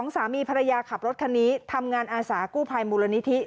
สามีภรรยาขับรถคันนี้ทำงานอาสากู้ภัยมูลนิธิ